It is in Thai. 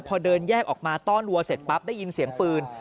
พอเดินแยกออกมาต้อนวัวเสร็จปั๊บได้ยินเสียงปืน